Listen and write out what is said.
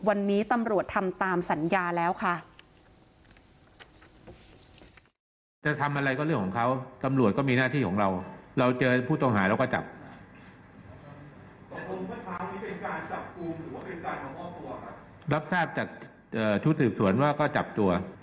วันนี้ตำรวจทำตามสัญญาแล้วค่ะ